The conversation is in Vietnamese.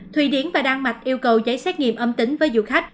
thùy điển và đan mạch yêu cầu giấy xét nghiệm âm tính với du khách